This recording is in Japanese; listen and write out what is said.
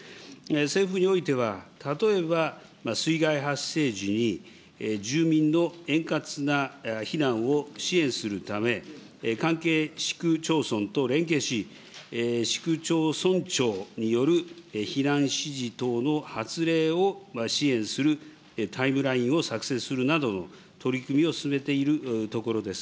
政府においては、例えば水害発生時に住民の円滑な避難を支援するため、関係市区町村と連携し、市区町村長による避難指示等の発令を支援するタイムラインを作成するなどの取り組みを進めているところです。